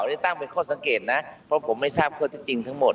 นี่ตั้งเป็นข้อสังเกตนะเพราะผมไม่ทราบข้อเท็จจริงทั้งหมด